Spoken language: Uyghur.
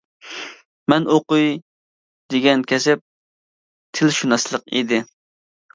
مەن ئوقۇي دېگەن كەسىپ: تىلشۇناسلىق، -ئىدى.